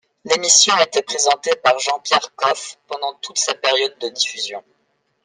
L'émission était présentée par Jean-Pierre Coffe pendant toute sa période de diffusion.